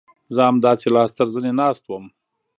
زه همداسې لاس تر زنې ناست وم.